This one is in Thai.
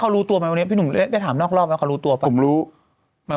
เขารู้ตัวไหมวันนี้พี่หนุ่มได้ถามนอกรอบไหมเขารู้ตัวป่ะผมรู้ไหม